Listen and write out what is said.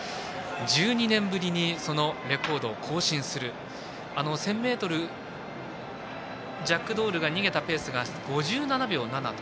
１２年ぶりにレコードを更新するジャックドールが逃げたペースが５７秒７。